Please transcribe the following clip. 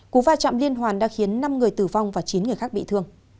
cú va chạm liên hoàn đã khiến năm người tử vong và chín người khác bị thương